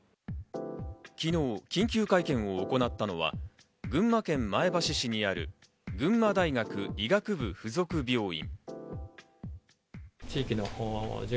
昨日、緊急会見を行ったのは群馬県前橋市にある群馬大学医学部附属病院。